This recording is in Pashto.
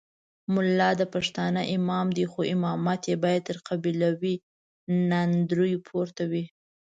ملا د پښتانه امام دی خو امامت یې باید تر قبیلوي ناندریو پورته وي.